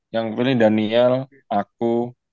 yang pilih daniel aku